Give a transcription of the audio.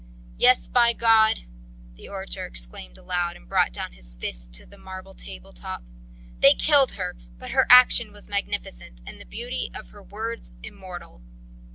Yes, by God." The orator exclaimed aloud and brought down his fist on to the marble table top: "They killed her, but her action was magnificent, and the beauty of her words immortal.